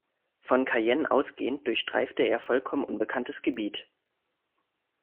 Von Cayenne ausgehend, durchstreifte er vollkommen unbekanntes Gebiet.